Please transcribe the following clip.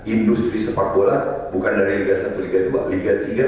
industri sepak bola bukan dari liga satu liga dua liga tiga